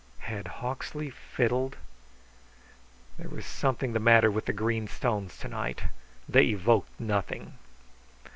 Had Hawksley fiddled? There was something the matter with the green stones to night; they evoked nothing.